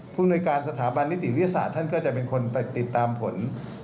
ภูมิในการสถาบันนิติวิทยาศาสตร์ท่านก็จะเป็นคนติดตามผล